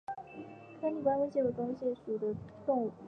颗粒关公蟹为关公蟹科关公蟹属的动物。